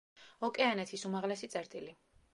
ოკეანეთის უმაღლესი წერტილი.